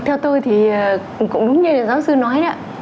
theo tôi thì cũng đúng như là giáo sư nói đấy ạ